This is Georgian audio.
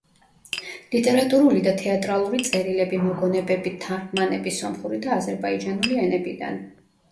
ლიტერატურული და თეატრალური წერილები, მოგონებები, თარგმანები სომხური და აზერბაიჯანული ენებიდან.